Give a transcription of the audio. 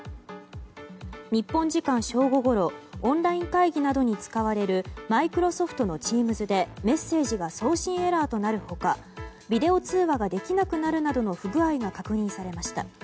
日本時間正午ごろオンライン会議などに使われるマイクロソフトのＴｅａｍｓでメッセージが送信エラーとなる他ビデオ通話ができなくなるなどの不具合が確認されました。